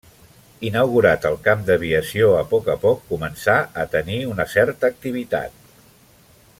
Inaugurat el camp d’aviació a poc a poc començà a tenir una certa activitat.